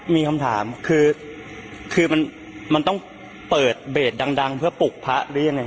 มีคำถามคือมันต้องเปิดเบสดังเพื่อปลุกพระหรือยังไง